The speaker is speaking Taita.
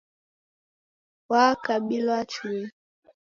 Wakabilwa chui